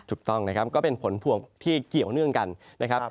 ถูกต้องนะครับก็เป็นผลพวงที่เกี่ยวเนื่องกันนะครับ